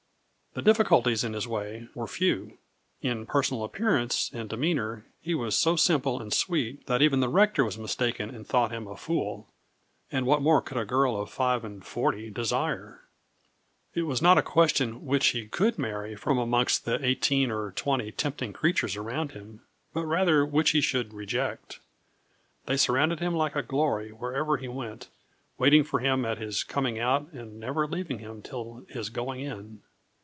The difficulties in his way were few. In personal appearance and demeanour he was so simple and sweet that even the rector was mistaken and thought him a fool, and what more could a girl of five and forty desire? It was not a question which he could marry from amongst the eighteen or twenty tempting creatures around him, but rather which he should reject. They surrounded him like a glory wherever he went, waiting for him at his coming out and never leaving him until his going in.